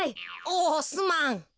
おおすまん。